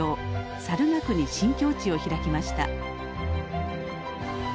サル学に新境地を開きました。